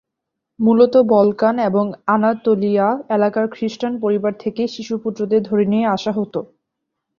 মূলত বলকান এবং আনাতোলিয়া এলাকার খ্রিস্টান পরিবার থেকেই শিশু পুত্রদের ধরে নিয়ে আসা হতো।